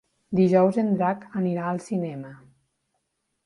Dijous en Drac anirà al cinema.